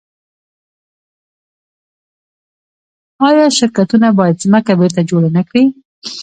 آیا شرکتونه باید ځمکه بیرته جوړه نکړي؟